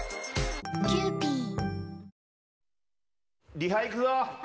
リハ行くぞ！